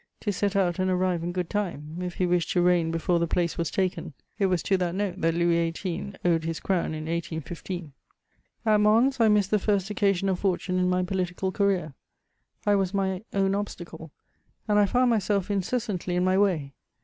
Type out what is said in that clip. to set out and arrive in good time, if he wished to reign before the place was taken: it was to that note that Louis XVIII. owed his crown in 1815. At Mons, I missed the first occasion of fortune in my political career; I was my own obstacle, and I found myself incessantly in my way.